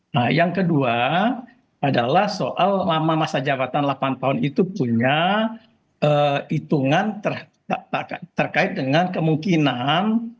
nah yang kedua adalah soal lama masa jabatan delapan tahun itu punya hitungan terkait dengan kemungkinan